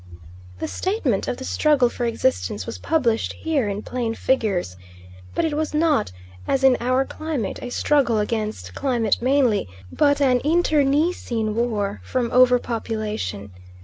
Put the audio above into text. The statement of the struggle for existence was published here in plain figures, but it was not, as in our climate, a struggle against climate mainly, but an internecine war from over population.